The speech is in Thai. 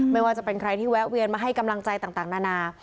ไม่ว่าจะเป็นใครที่แวะเวียนมาให้กำลังใจต่างนานา